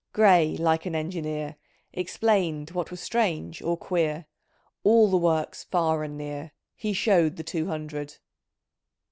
Gray, like an engineer — Explained what was strange or queer ; All the works, far and near, He showed the two hundred.